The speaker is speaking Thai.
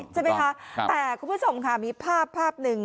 ใช่ไหมคะแต่คุณผู้ชมค่ะมีภาพภาพหนึ่ง